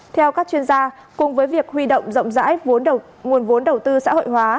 theo các chuyên gia cùng với việc huy động rộng rãi nguồn vốn đầu tư xã hội hóa